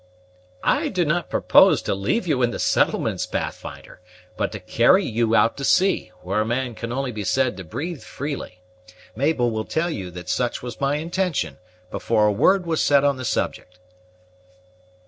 "I did not propose to leave you in the settlements, Pathfinder, but to carry you out to sea, where a man can only be said to breathe freely. Mabel will tell you that such was my intention, before a word was said on the subject."